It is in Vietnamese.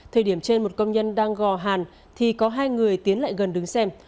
thời điểm trên một công nhân đang gò hàn thì có hai người tiến lại gần đứng xem